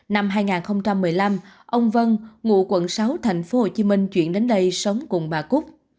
năm hai nghìn một mươi năm ông vân ngụ quận sáu tp hcm chuyển đến đây sống cùng bà cúc